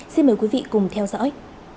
xin mời quý vị cùng theo dõi